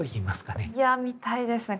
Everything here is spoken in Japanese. いや見たいですね。